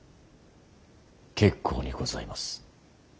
結構にございます。